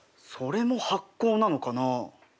それも発酵なのかな？